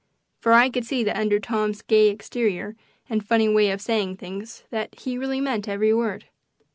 For I could see that under Tom's gay exterior and funny way of saying things he really meant every word.